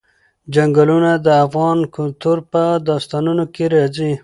چنګلونه د افغان کلتور په داستانونو کې راځي.